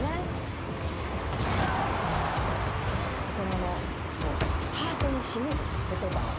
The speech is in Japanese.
心のハートにしみる言葉。